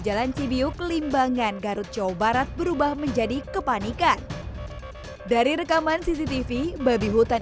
jalan cibiuk limbangan garut jawa barat berubah menjadi kepanikan dari rekaman cctv babi hutan